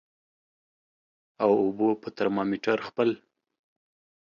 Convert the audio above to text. او اوبو په ترمامیټر خپل